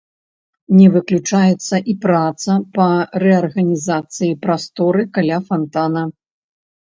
Не выключаецца і праца па рэарганізацыі прасторы каля фантана.